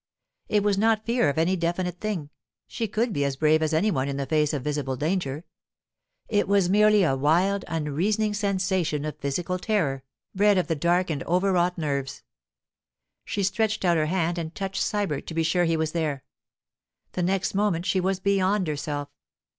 It was not fear of any definite thing; she could be as brave as any one in the face of visible danger. It was merely a wild, unreasoning sensation of physical terror, bred of the dark and overwrought nerves. She stretched out her hand and touched Sybert to be sure he was there. The next moment she was beyond herself.